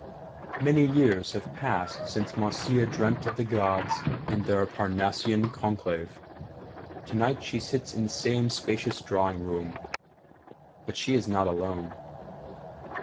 Many years have passed since Marcia dreamt of the Gods and of their Parnassian conclave. Tonight she sits in the same spacious drawing room, but she is not alone.